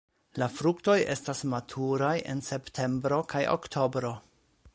La fruktoj estas maturaj en septembro kaj oktobro.